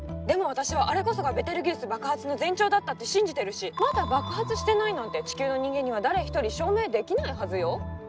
でも私はあれこそがベテルギウス爆発の前兆だったって信じてるしまだ爆発してないなんて地球の人間には誰一人証明できないはずよ。